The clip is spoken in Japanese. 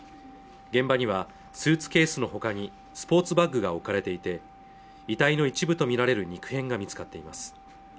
現場にはスーツケースのほかにスポーツバッグが置かれていて遺体の一部と見られる肉片が見つかっています